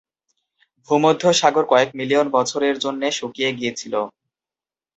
ভূমধ্যসাগর কয়েক মিলিয়ন বছরের জন্যে শুকিয়ে গিয়েছিল।